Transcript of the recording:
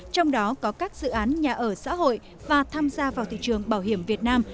trong đó có các dự án nhà ở xã hội và tham gia vào thị trường bảo hiểm việt nam